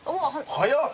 早っ！